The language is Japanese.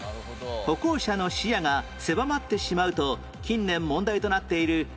歩行者の視野が狭まってしまうと近年問題となっている